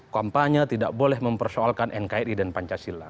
kampanye tidak boleh mempersoalkan nkri dan pancasila